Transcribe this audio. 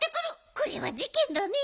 これはじけんだね。